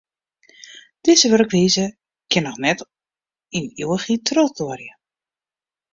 Dizze wurkwize kin net oant yn ivichheid trochduorje.